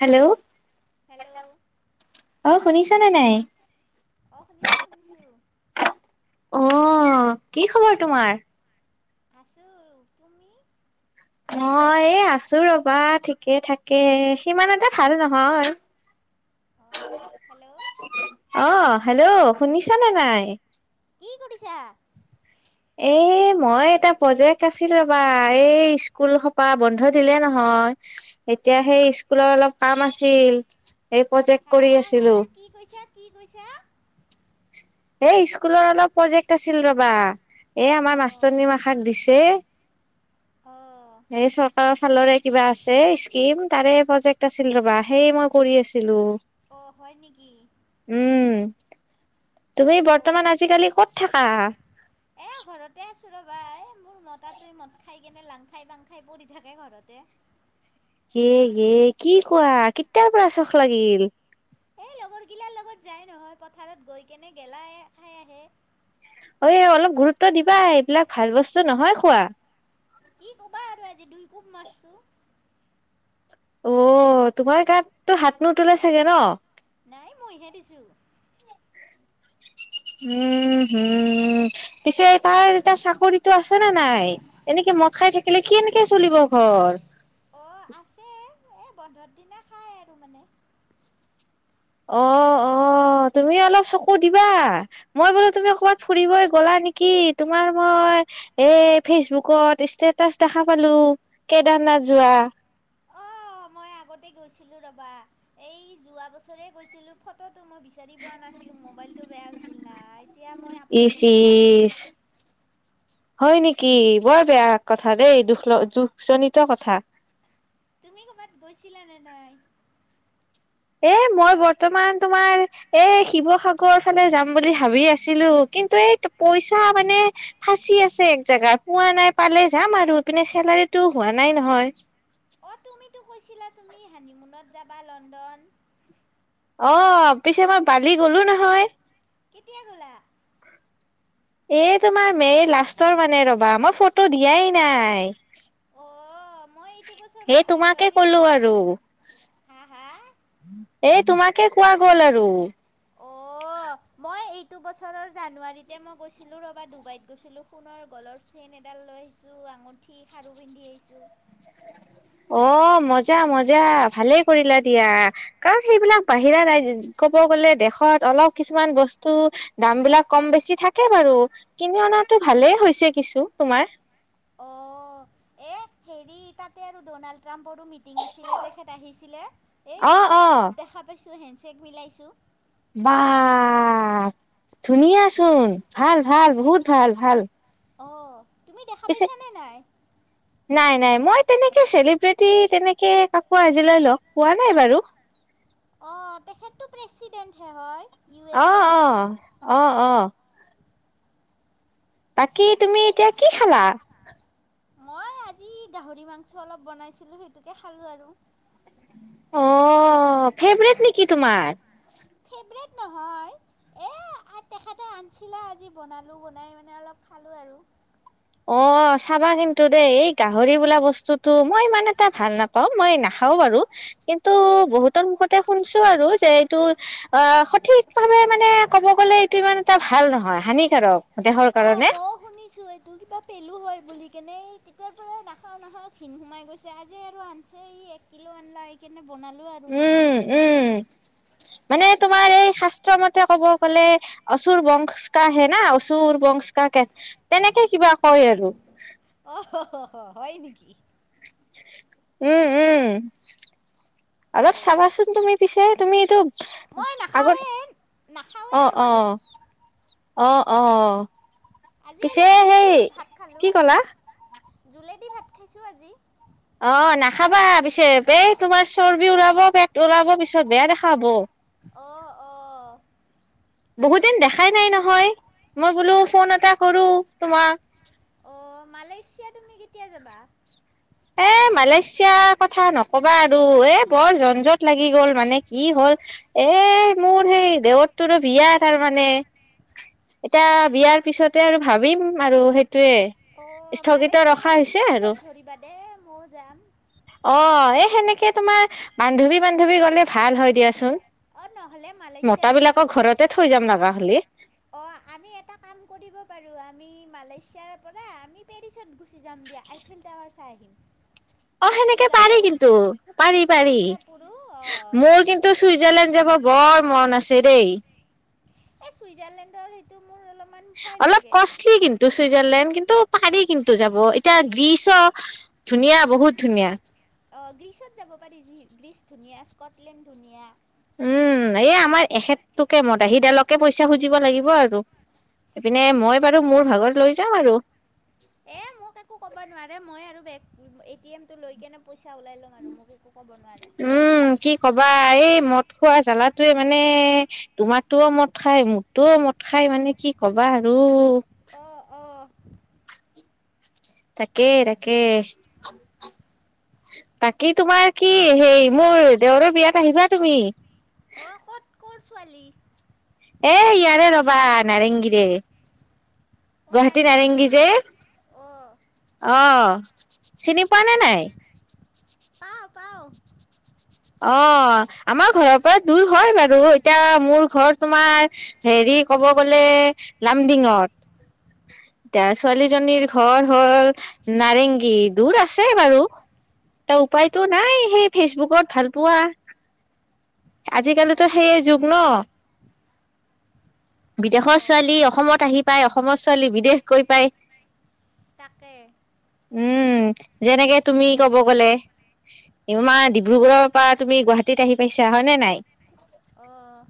Hello. Hello. অ শুনিছানে নাই? অ শুনিছো, শুনিছো। অ, কি খবৰ তোমাৰ? আছো আৰু, তুমি? অ এই আছো ৰ'বা ঠিকে-ঠাকে। সিমান এটা ভাল নহয়। অ হেল্ল' অ হেল্ল' শুনিছানে নাই? কি কৰিছা? এ মই এটা প্ৰজেক্ট আছিলে ৰ'বা। এই স্কুল সোপা বন্ধ দিলে নহয়। এতিয়া সেই স্কুলৰ অলপ কাম আছিল। এই প্ৰজেক্ট হা কৰি হা হা? আছিলো কি কৈছা? কি কৈছা? এ স্কুলৰ অলপ প্ৰজেক্ট আছিল ৰ'বা। এই আমাৰ অ মাষ্টৰনী মাখ ক দিছে। অ এই চৰকাৰৰ ফালৰে কিবা আছে স্কিম, তাৰে প্ৰজেক্ট আছিল ৰ'বা, সেই মই কৰি আছিলো। অ', হয় নিকি। উম, তুমি অ বৰ্তমান আজিকালি ক'ত থাকা। এই ঘৰতে আছোঁ ৰ'বা, এই মোৰ মতাটো মদ খাই কেনে লাং খাই বাং খাই পৰি থাকে ঘৰতে। য়ে-য়ে কি কোৱা, কেতিয়াৰ পৰা চখ লাগিল। এই লগৰ গিলাৰ লগত যায় নহয়, পথাৰত গৈ কেনে গেলাই খাই আহে। ঐ অলপ গুৰুত্ব দিবা, এইবিলাক ভাল বস্তু নহয় খোৱা। কি ক'বা আৰু আজি দুই কোব মাৰছো। অ', তোমাৰ গাতটো হাত নোতোলে চাগে ন। নাই মইহে দিছো। [inaudible] উম, হম, পিছে তাৰ এতিয়া চাকৰিটো আছে নে নাই। এনেকে মদ খাই থাকিলে কেনকে চলিব ঘৰ। অ', আছে, এই বন্ধৰ দিনা খাই আৰু মানে। অ', অ', তুমি অলপ চকু দিবা। মই বোলো তুমি ক'বাত ফুৰিবই গ'লা নেকি, তোমাৰ মই এ ফেচবুকত ষ্টেটাচ দেখা পালো, কেদাৰনাথ যোৱা। অ', মই আগতে গৈছিলো ৰ'বা। এই যোৱা বছৰে গৈছিলো, ফটোটো মই বিচাৰি পোৱা নাছিলো মোবাইলটো বেয়া হৈছিল নাই। এতিয়া মই আপলোড ইচ দিলোঁ কালি। ইচ হয় নেকি বৰ বেয়া কথা দেই, দুখ ল দুখজনিত কথা। ক'বাত গৈছিলা নে নাই। এ মই বৰ্তমান তোমাৰ এ শিৱসাগৰ ফালে যাম বুলি ভাবি আছিলো, কিন্তু এ ত পইচা মানে ফাচি আছে এক জেগাত, পোৱা নাই পালে যাম আৰু ই পিনে চেলাৰীতো হোৱা নাই নহয়। অ', তুমিতো কৈছিলা তুমি হানিমুনত যাবা লণ্ডন। অ', পিছে মই বালি গ'লো নহয়। কেতিয়া গ'লা। এ তোমাৰ মে'ৰ লাষ্টৰ মানে ৰ'বা, মই ফটো দিয়াই নাই। অ', মই এইটো এই বছৰৰ তোমাকে জানুৱাৰীত ক'লো আৰু। হা হা? এই তোমাকে কোৱা গ'ল আৰু। অ'। অ', মই এইটো বছৰৰ জানুৱাৰীতে মই গৈছিলো ৰ'বা, ডুবাইত গৈছিলো সোণৰ গলৰ চেইন এডাল লৈ আহিছোঁ, আঙুঠি খাৰু পিন্ধি আহিছোঁ। অ', মজা- মজা, ভালে কৰিলা দিয়া। কাৰণ সেইবিলাক বাহিৰা ৰাই ক'ব গ'লে দেশত অলপ কিছুমান বস্তু দাম বিলাক কম বেছি থাকে বাৰু, কিনি অনাতো ভালেই হৈছে কিছু, তোমাৰ। অ', এ এ হেৰি, তাতে আৰু ডনাল্ড ট্ৰাম্পৰো মিটিং আছিলে, তেখেত আহিছিলে। এই অ' অ' তেখেতকো দেখা পাইছোঁ, হেণ্ডশ্বেক মিলাইছোঁ। বা ধুনীয়া চোন, ভাল-ভাল বহুত ভাল- ভাল। অ', তুমি দেখা পাইছানে নাই। [inaudible] নাই-নাই, মই তেনেকে চেলিব্ৰিটি তেনেকে কাকো আজিলৈ লগ পোৱা নাই বাৰু। অ', তেখেতটো প্ৰেচিডেণ্টহে হয়। ইউ এছ এৰ। অ-অ, অ-অ। বাকী তুমি এতিয়া কি খালা? মই আজি গাহৰি মাংচ অলপ বনাইছিলো, সেইটোকে খালো আৰু। অ, ফেভৰেট নেকি তোমাৰ? ফেভৰেট নহয়। এ আ তেখেতে আনিছিলা আজি বনালো। বনাই মানে অলপ খালো আৰু। অ চাবা কিন্তু দেই। এই গাহৰি বোলা বস্তুটো মই ইমান এটা ভাল নাপাওঁ, মই নাখাও বাৰু। কিন্তু বহুতৰ মুখতে শুনছো আৰু যে এইটো অ সঠিকভাৱে মানে ক'ব গলে এইটো ইমান এটা ভাল নহয়, হানিকাৰক। দেহৰ অ কাৰণে মও শুনিছো এইটো কিবা পেলো হয় বুলি কেনে। এই তেতিয়াৰ পৰা নাখাও নাখাও ঘিণ সোমাই গৈছে। আজি আৰু আন এক কিলো আনলা কেনে বনাল উম, উম মানে তোমাৰ এই শাস্ত্ৰমতে ক'ব গ'লে অচুৰ বংচ কা হে না, অচুৰ বংচ কা। তেনেকে কিবা কয় আৰু। অ হ-হ-হ হয় নেকি? উম, উম অলপ অ' চাবাচোন তুমি। পিছে তুমি এইটো মই আগত, নাখাওঁৱেই নাখাওঁৱেই অ-অ। মই অ, অ আজি পিছে অলপ সেই জোলেদি ভাত খালোঁ কি ক'লা? জোলেদি ভাত খাইছোঁ আজি। অ নাখাবা পিছে। এ তোমাৰ চৰ্বি ওলাব, পেট ওলাব। পিছত বেয়া দেখা হ'ব। অ, অ। বহুত দিন দেখাই নাই নহয়। মই বোলো তুম ফোন এটা কৰো তোমাক। অ মালেইছিয়া তুমি কেতিয়া যাবা? এ মালেছিয়াৰ কথা নক'বা আৰু এ বৰ ঝনঝট লাগি গ'ল। মানে কি হ'ল এ মোৰ সেই দেৱৰটোৰো বিয়া তাৰমানে। এতা বিয়াৰ পিছতে আৰু ভাবিম আৰু সেইটোৱে। অ মালেছিয়া গলে মোকো লগ ধৰিবা দেই, মইয়ো যাম। অ এ সেনেকে তোমাৰ বান্ধৱী বান্ধৱী গলে ভাল হয় দিয়াচোন। অ নহ'লে মালেছিয়া মতা যদি বিলাকক আমি ঘৰতে থৈ যাম লাগা হ'লি। অ আমি এটা কাম কৰিব পাৰো। আমি মালেছিয়াৰ পৰা আমি পেৰিছত গুচি যাম দিয়া। আইফিল টাৱাৰ চাই আহিম। অ সেনেকে পাৰি ছিংগাপুৰো কিন্তু। পাৰি পাৰি। ছিংগাপুৰো অ' ম মোৰ কিন্তু চুইজাৰলেণ্ড যাব বৰ মন আছে দেই। এ চুইজাৰলেণ্ডৰ সে অলপ কষ্টলি কিন চুইজাৰলেণ্ড কিন্তু পাৰি কিন্তু যাব। এতিয়া গ্ৰীচো ধুনীয়া বহুত ধুনীয়া। অ গ্ৰীচত যাব পাৰি। যি গ্ৰীচ ধুনীয়া, স্কটলেণ্ড ধুনীয়া। উম, এই আমাৰ এখেতটোকে মদাহীডালকে পইচা খুজিব লাগিব আৰু। এইপিনে মই বাৰু মোৰ ভাগত লৈ যাম আৰু। এ মোক একো ক'ব নোৱাৰে। মই আৰু বেগ এ টি এমটো লৈ কেনে পইচা ওলাই ল'ম আৰু মোক একো ক'ব নোৱাৰে। উম। কি ক'বা? এই মদ খোৱা জ্বালাটোৱে মানে তোমাৰটোও মদ খায়, মোৰটোও মদ খাই মানে কি ক'বা আৰু। অ', অ'। তাকে- তাকে। বাকী তোমাৰ কি হেৰি মোৰ দেওৰৰ বিয়াত আহিবা তুমি। অ', ক'ত ক'ৰ ছোৱালী। এ ইয়াৰে ৰ'বা নাৰেংগীৰে। অ' গুৱাহাটী নাৰেংগীৰ নাৰেঙ্গী যে। নেকি অ' অ', চিনি পোৱা নে নাই। পাওঁ-পাওঁ। অ', আমাৰ ঘৰৰ পৰা দূৰ হয় বাৰু, এতিয়া মোৰ ঘৰত তোমাৰ হেৰি ক'ব গ'লে, লামডিঙত, এতিয়া অ' হয় ছোৱালীজনীৰ নেকি ঘৰ হ'ল নাৰেংগী, দূৰ আছে বাৰু। এতিয়া উপায়তো নাই, সেই ফেচবুকত ভালপোৱা, আজিকালিতো অ' সেইয়ে যুগ ন। বিদেশৰ অ' ছোৱালী অসমত আহি পাই অসমৰ ছোৱালী বিদেশ গৈ পাই। তাকে। উম, যেনেকে তুমি কব গ'লে ইমান দি ব্ৰুগড়ৰ পৰা তুমি গুৱাহাটীত আহি পাইছা, হয় নে নাই। অ'।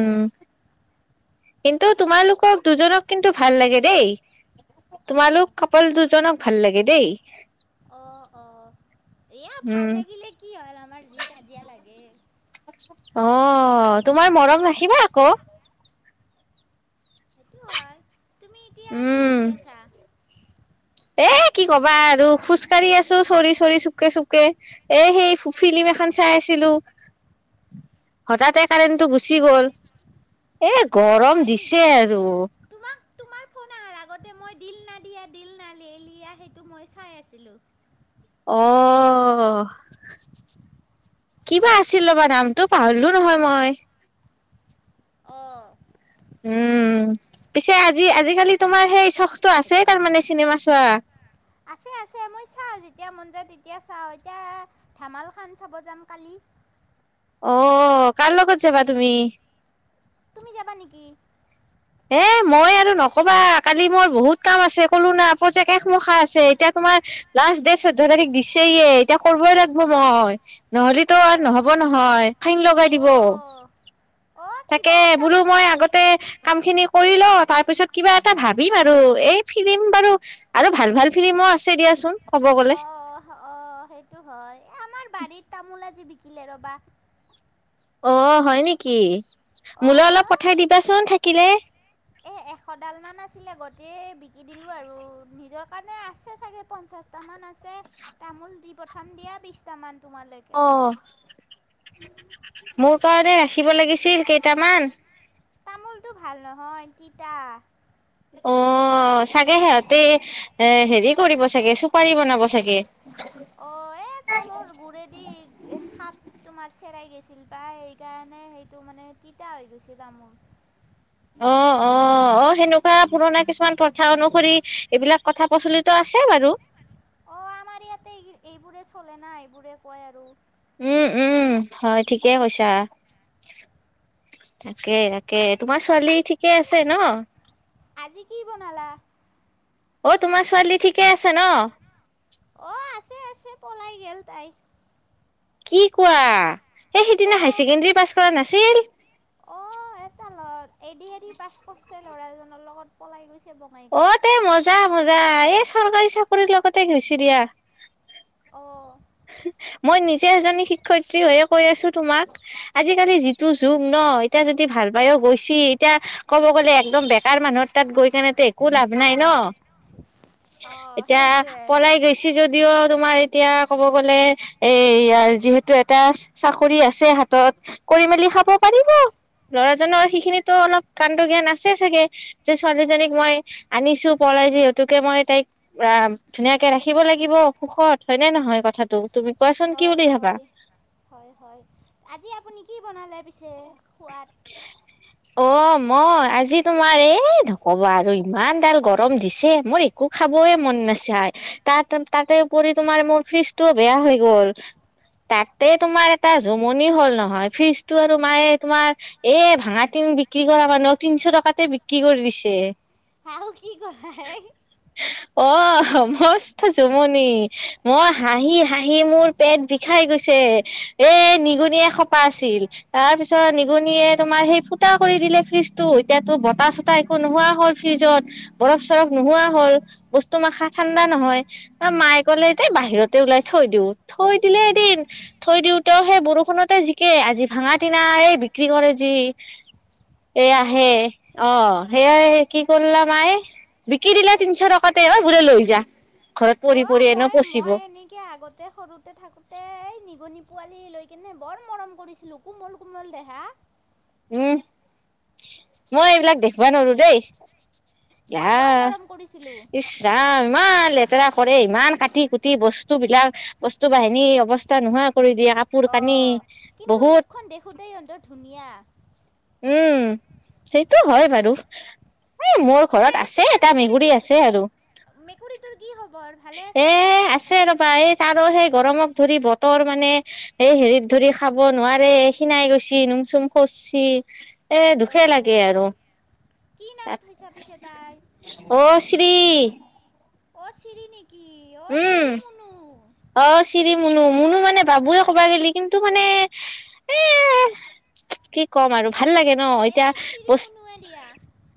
হ'ল কিন্তু পিছে তোমালোকক দুজনক কিন্তু ভাল লাগে দেই, অ' তোমালোক কাপুল দুজনক ভাল লাগে দেই। অ', অ', এয়া ভাল উম লাগিলে কি হ'ল আমাৰ যি কাজিয়া লাগে। অ', তোমাৰ মৰম ৰাখিবা আকৌ। সেইটো হয়, তুমি এতিয়া কি উম কৰি আছা। এ কি ক'বা আৰু খোজকাঢ়ি আছো চ'ৰি- চ'ৰি চুপকে- চুপকে। এ সেই ফ ফিলিম এখন চাই আছিলো। হঠাতে কাৰেণ্টটো গুচি গ'ল। এ অঁ গৰম হয় দিছে নেকি আৰু। তোমাক [unintelligible] আগতে মই দিল না দিয়া দিল না লে লিয়া সেইটো মই চাই আছিলো। অ'। কিবা আছিল ৰ'বা নামটো পাহৰিলোঁ নহয় মই। অ'। উম, পিছে আজি আজিকালি তোমাৰ সেই চখটো আছেই তাৰমানে চিনেমা চোৱা। আছে-আছে মই চাওঁ, যেতিয়া মন যায় তেতিয়া চাওঁ এতিয়া ধমালখন চাব যাম কালি। অ', কাৰ লগত যাবা তুমি। তুমি যাবা নিকি। হে মই আৰু নক'বা কালি মোৰ বহুত কাম আছে ক'লো না, প্ৰজেক্ট একমখা আছে, এতিয়া তোমাৰ লাষ্ট ডেট চৈধ্য তাৰিখ দিছে য়ে, এতিয়া কৰিবই লাগব মই। নহ'লেতো আৰু অ' নহ'ব নহয়, ফাইন লগাই দিব। অ' অ' তাকে কিবা এটা বোলো মই আগতে কাম খিনি কৰি লওঁ, তাৰ পিছত কিবা এটা ভাবিম আৰু এই ফিলিম বাৰু আৰু ভাল- ভাল ফিলিমো আছে দিয়াচোন। ক'ব গ'লে অ', অ', অ', সেইটো হয়, এ আমাৰ বাৰীত তামোল আজি বিকিলে ৰ'বা। অ', হয় নিকি, মোলে অলপ পঠাই অ', দিবাচোন থাকিলে। এই এশডালমান আছিলে, গোটেই বিকি দিলোঁ আৰু নিজৰ কাৰণে আছে চাগে পঞ্চাছ টামান আছে তামোল দি পঠাম দিয়া বিছটামান। তোমালৈ অ কাৰণে। মোৰ কাৰণে ৰাখিব লাগিছিল কেইটামান। তামোলটো ভাল নহয় তিতা। অ চাগে সিহঁতে এ হেৰি কৰিব চাগে চুপাৰী বনাব চাগে। অ এ তলৰ গুৰেদি এই সাপ তোমাৰ চেৰাই গৈইছিল বা সেইকাৰণে সেইটো মানে তিতা হৈ গৈছিল তামোল। অ, অ, অ। অ সেনেকুৱা পুৰণা কিছুমান প্ৰথা অনুসৰি এইবিলাক কথা প্ৰচলিত আছে বাৰু। অ আমাৰ ইয়াতে এইবোৰে চলে না, এইবোৰে কয় আৰু। উম, উম। হয় ঠিকেই কৈছা। তাকে, তাকে। তোমাৰ ছোৱালী ঠিকে আছে ন? আজি কি বনালা? অ তোমাৰ ছোৱালী ঠিকে আছে ন? অ আছে, আছে। পলাই গে'ল তাই। কি কোৱা? এই সিদিনা হাই অ', ছেকেণ্ডাৰী পাছ কৰা নাছিল? অ এটা ল'ৰা এদিআৰি পাছ কৰছে ল'ৰা জনৰ লগত পলাই গৈছে। ব অ তে মজা মজা। এ চৰকাৰী চাকৰিৰ লগতে গৈইছি দি আৰ। অ। মই নিজে এজনী শিক্ষয়িত্ৰী হৈয়ে কৈ আছো তোমাক। আজি-কালি যিটো যুগ ন। এতিয়া যদি ভাল পাইও গৈছি এতিয়া কব গ'লে একদম বেকাৰ মানুহ তাত গৈ কেনেতো একো লাভ নাই ন। অ' এতিয়া সেইটোৱে। পলাই গৈইছি যদ দিও তোমাৰ এতিয়া ক'ব গ'লে এ ইয়াৰ যিহেতু এটা চাকৰি আছে হাতত। কৰি মেলি খাব পাৰিব। ল'ৰাজনৰ সেইখিনিতো অলপ কাণ্ড জ্ঞান আছে চাগে। যে ছোৱালীজনীক মই আনিছোঁ পলাই যিহেতুকে মই তাইক ৰা ধুনীয়াকে ৰাখিব লাগিব সুখত। হয়নে নহয় কথাটো? তুমি কোৱাচোন কি হয়, বুলি ভাবা হয়। হয়, হয়। আজি আপুনি কি বনালে পিছে খোৱাত? [inaudible] অ মই, আজি তোমাৰ এই নক'বা আৰু ইমান ডাল গৰম দিছে। মোৰ একো খাবই মন নাচায়। তাত তাতে ওপৰি তোমাৰ মোৰ ফিজটোও বেয়া হৈ গ'ল। তাতে তোমাৰ এটা জমনি হ'ল নহয়। ফিজটো আৰু মায়ে তোমাৰ এ ভাঙা টিন বিক্ৰী কৰা মানুহক তিনচ' টকাতে বিক্ৰী কৰি দিছে। আও কি কোৱা হেই। অ, মস্ত জমনি। মই হাঁহি হাঁহি মোৰ পেট বিষাই গৈছে। এ নিগনি‌ এসোপা আছিল। তাৰ পিছত নিগনিয়ে তোমাৰ সেই ফু ফুটা কৰি দিলে ফ্ৰিজটো। এতিয়াতো বতাহ-চতাহ একো নোহোৱা হ'ল ফ্ৰিজত। বৰফ-চৰফ নোহোৱা হ'ল। বস্তু মাখা ঠাণ্ডা নহয়। মায়ে ক'লে দে বাহিৰতে ওলাই থৈ দিওঁ, থৈ দিলে এদিন। থৈ দিওঁতেও সেই বৰষুণতে জিকে। আজি ভাঙা টিনা এ বিক্ৰী কৰে যি এ আহে। অ'। অ সেইয়া কি কৰলা মাই বিকি দিলে তিনচ' টকাতে। অ বোলে লৈ যা। ঘৰত পৰি অ পৰি এনেও মই পচিব মই এনেকে আগতে সৰু তে থাকোতে এই নিগনি পোৱালি লৈ কেনে বৰ মৰম কৰিছিলোঁ। কোমল, কোমল দেহা। উম। মই এইবিলাক দেখবা নোৱাৰো দেই। মই বৰ [unintelligible] মৰম কৰিছিলোঁ। ইচ যাম ইমান লেতেৰা কৰে, ইমান কাটি কুটি বস্তু বিলাক বস্তু বাহিনীৰ অৱস্থা নোহোৱা কৰি দিয়ে, কাপ অ', কিন্তু মুখখন দেখোঁতেই অন্ত ধুনীয়া। উম, সেইটো হয় বাৰু। সেই মোৰ ঘৰত পিছে আছে তোমাৰ এটা মেকুৰী মেকুৰীটোৰ আছে আৰু। মে- মেকুৰীটোৰ কি খবৰ ভালে এ আছেনে আছে ৰবা এই তাৰো সেই গৰমক ধৰি বতৰ মানে এই হেৰিত ধৰি খাব নোৱাৰে শীনাই গৈছে নুম-চুম সোৰছি। এ দুখে লাগে আৰু। কৈ তাত থৈছা পিছে তাই? অ', শ্ৰী। অ', চিৰি নেকি? অ', উম চিৰি মুনু। অ', চিৰি মুনু। মুনু মানে বাবুৱে কবা গেলি কিন্তু মানে এ, কি ক'ম আৰু ভাল লাগে ন? এতিয়া বচ চিৰিমুনুৱে দিয়া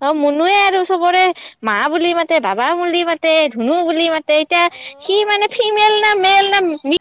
অ', মুনোৱে আৰু চবৰে মা বুলি মাতে, বাবা বুলি মাতে, ধুনু বুলি মাতে এতিয়া সি অ' মানে ফিমেল চিৰিমুনু না ডেকা মেল না